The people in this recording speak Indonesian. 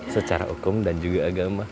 secara hukum dan juga agama